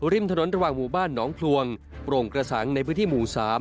ริมถนนระหว่างหมู่บ้านหนองพลวงโปร่งกระสังในพื้นที่หมู่๓